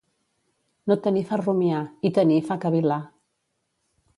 No tenir fa rumiar i tenir fa cavil·lar.